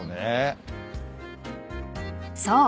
［そう。